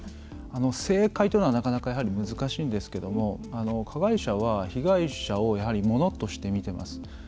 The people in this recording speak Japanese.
正解というのはなかなか難しいんですけども加害者は被害者をものとして見ています。